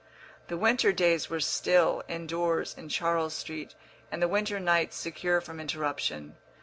The winter days were still, indoors, in Charles Street, and the winter nights secure from interruption.